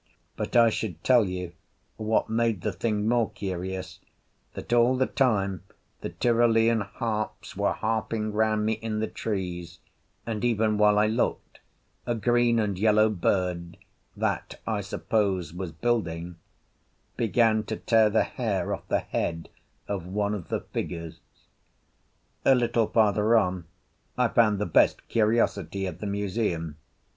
But I should tell you (what made the thing more curious) that all the time the Tyrolean harps were harping round me in the trees, and even while I looked, a green and yellow bird (that, I suppose, was building) began to tear the hair off the head of one of the figures. A little farther on I found the best curiosity of the museum.